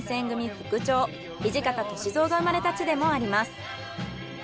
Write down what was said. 副長土方歳三が生まれた地でもあります。